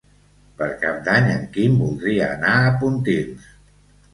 Per Cap d'Any en Quim voldria anar a Pontils.